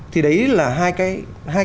thì đấy là hai